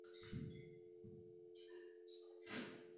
石板滩镇是湖南常德市鼎城区下属的一个镇。